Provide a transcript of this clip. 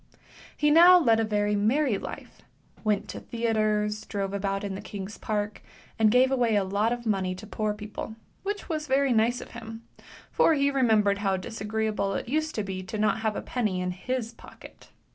He now led a very merry life; went to theatres, drove about in the King's Park, and gave away a lot of money to poor people, which was very nice of him; for he remembered how disagree able it used to be not to have a penny in his pocket.